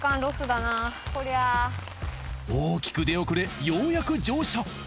大きく出遅れようやく乗車。